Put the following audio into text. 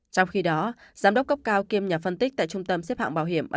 trong khi đó giám đốc cấp cao kiêm nhà phân tích tại trung tâm xếp hạng bảo hiểm